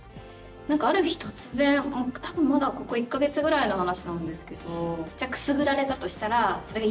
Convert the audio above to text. ある日突然多分まだここ１か月ぐらいの話なんですけどくすぐられたとしたらそれが嫌だった。